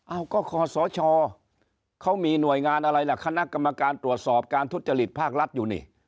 อ้าวก็ขอสชเขามีหน่วยงานอะไรล่ะคณะกรรมการตรวจสอบการทุจริตภาครัฐอยู่นี่